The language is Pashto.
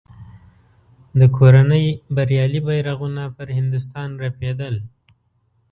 د کورنۍ بریالي بیرغونه پر هندوستان رپېدل.